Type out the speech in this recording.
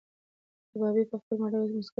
کبابي په خپله مړاوې موسکا سره غرمه تېره کړه.